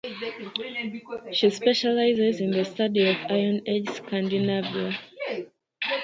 She specializes in the study of Iron Age Scandinavia.